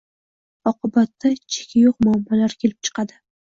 Oqibatda cheki yo‘q muammolar kelib chiqadi.